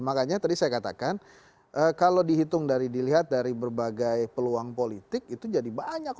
makanya tadi saya katakan kalau dihitung dari dilihat dari berbagai peluang politik itu jadi banyak